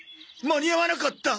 間に合わなかった。